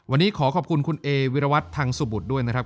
วันนี้ขอขอบคุณคุณเอวิรวัตรทางสุบุตรด้วยนะครับ